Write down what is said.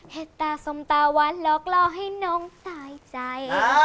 เห็ดตาสมตาวันหลอกหลอกให้น้องตายใจ